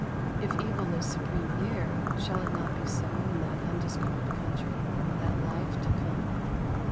If evil is supreme here, shall it not be so in that undiscovered country, that life to come?